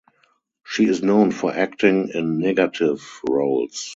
She is known for acting in negative roles.